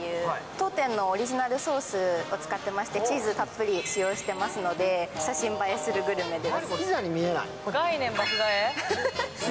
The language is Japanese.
当店のオリジナルソースを使っていましてチーズたっぷり使用していますので、写真映えするグルメでございます。